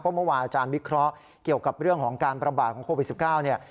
เมื่อวานอาจารย์วิเคราะห์เกี่ยวกับเรื่องของการประบาดของโควิด๑๙เนี่ย